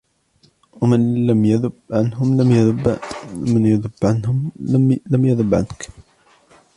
وَمَنْ لَمْ يَذُبَّ عَنْهُمْ لَمْ يَذُبَّ عَنْك